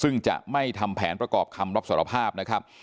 ซึ่งจะไม่ทำแผนประกอบคำรับสารภาพนะครับ